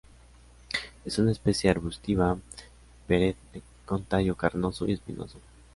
Es una especie arbustiva perenne con tallo carnoso y espinoso.